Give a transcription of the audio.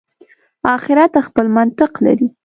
آخرت خپل منطق لري.